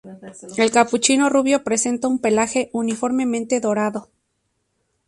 El capuchino rubio presenta un pelaje uniformemente dorado.